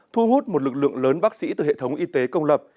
thu hút một lực lượng lớn bác sĩ từ hệ thống y tế công lập